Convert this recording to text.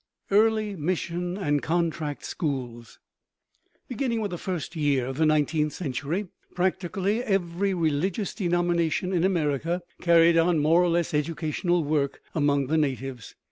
EARLY MISSION AND CONTRACT SCHOOLS Beginning with the first years of the nineteenth century, practically every religious denomination in America carried on more or less educational work among the natives.